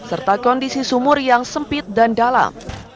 serta kondisi sumur yang sempit dan dalam